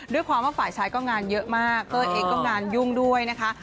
ด้วยความว่าฝ่ายชายก็งานเยอะมากเต้ยเองก็งานยุ่งด้วยนะคะ